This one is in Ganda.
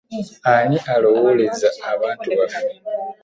Ani alowooleza abantu baffe!